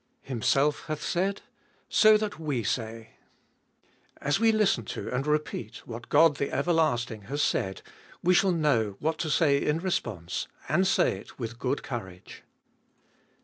2. Himself hath said: So that we say. As we listen to and repeat what God the Everlasting has said, we shall know what to say in response, and say it with good courage.